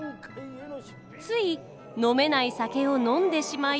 つい飲めない酒を飲んでしまい。